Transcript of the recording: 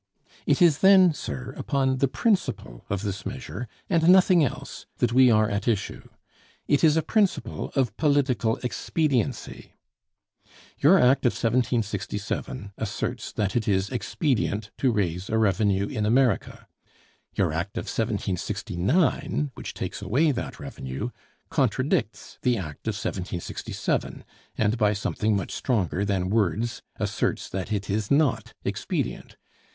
It is then, sir, upon the principle of this measure, and nothing else, that we are at issue. It is a principle of political expediency. Your Act of 1767 asserts that it is expedient to raise a revenue in America; your Act of 1769, which takes away that revenue, contradicts the Act of 1767, and by something much stronger than words asserts that it is not expedient.